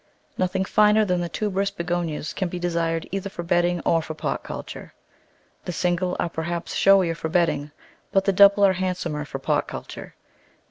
Nothing finer than the tuberous Begonias can be desired either for bedding or for pot culture. The single are perhaps showier for bedding, but the double are handsomer for pot culture.